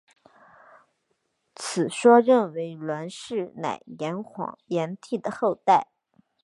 此说认为栾氏乃炎帝的后代。